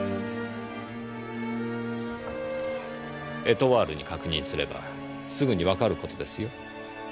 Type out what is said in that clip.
『エトワール』に確認すればすぐにわかることですよ。